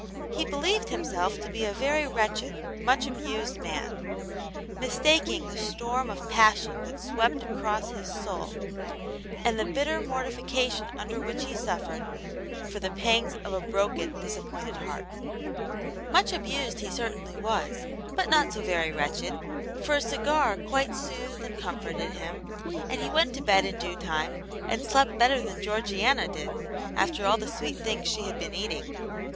He believed himself to be a very wretched, much abused man, mistaking the storm of passion that swept across his soul, and the bitter mortification under which he suffered, for the pangs of a broken, disappointed heart. Much abused he certainly was, but not so very wretched, for a cigar quite soothed and comforted him, and he went to bed in due time, and slept better than Georgiana did, after all the sweet things she had been eating.